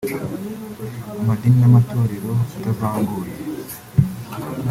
amadini n’amatorero atavanguye